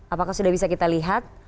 apakah sudah bisa kita lihat